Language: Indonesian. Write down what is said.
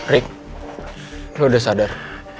rik lu udah sadar